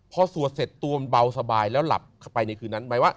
พอสวดเสร็จตัวเป็นเบาสบายแล้วหลับเข้าไปในคืนนั้น